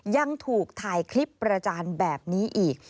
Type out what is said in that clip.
ยังถูกถ่ายคลิปประจานแบบนี้อีก